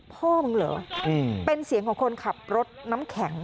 พ่อมึงเหรอเป็นเสียงของคนขับรถน้ำแข็ง